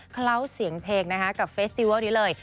เคล้าเสียงเพลงนะคะกับเฟสติวัลนี้เลย